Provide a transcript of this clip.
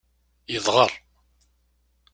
Yedɣer.